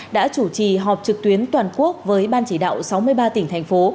đã chủ trì họp trực tuyến toàn quốc với ban chỉ đạo sáu mươi ba tỉnh thành phố